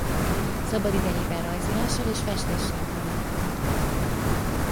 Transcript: Szabadidejében rajzolással és festéssel foglalkozott.